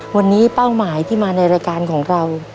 วันนี้เป้าหมายที่มาในรายการของเรา